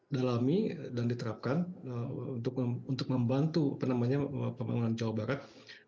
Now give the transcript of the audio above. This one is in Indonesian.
dalami dan diterapkan untuk membantu apa namanya pemenang jawa barat